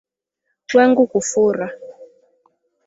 Wengu kufura